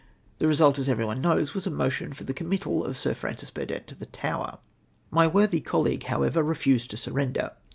The result, as every one knows, was a motion for the committal of Sir Francis Burdett to the Tower. My worthy colleague, however, refused to surrender.